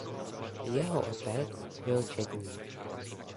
Jeho otec byl četník.